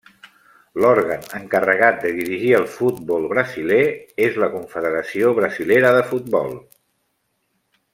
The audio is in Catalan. L'òrgan encarregat de dirigir el futbol brasiler és la Confederació Brasilera de Futbol.